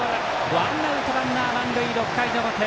ワンアウト、ランナー満塁６回の表。